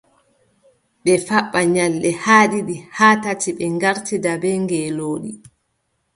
Ɓe faɓɓa nyalɗe haa ɗiɗi haa tati, ɓe ngartida bee ngeelooɗi,